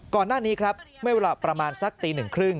ก่อนหน้านี้ครับเมื่อเวลาประมาณสักตีหนึ่งครึ่ง